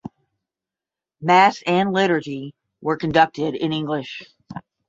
Mass and liturgy were conducted in English.